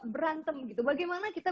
berantem gitu bagaimana kita